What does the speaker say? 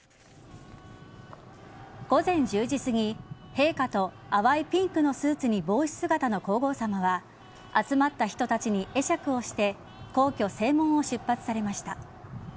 午前１０時すぎ、陛下と淡いピンクのスーツに帽子姿の皇后さまは集まった人たちに会釈をして皇居・正門を出発されました。